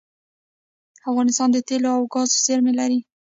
افغانستان د تیلو او ګازو زیرمې لري